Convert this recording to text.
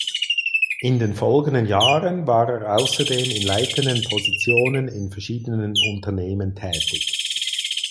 In den folgenden Jahren war er außerdem in leitenden Positionen in verschiedenen Unternehmen tätig.